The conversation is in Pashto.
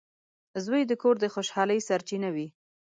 • زوی د کور د خوشحالۍ سرچینه وي.